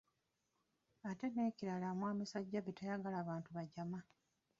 Ate n’ekirala mwami Ssajjabbi tayagala bantu bajama.